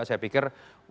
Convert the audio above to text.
saya pikir itu yang menarik